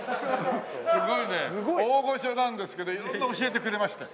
すごいね大御所なんですけど色んな教えてくれまして。